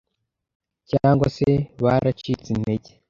cyangwa se baracitse intege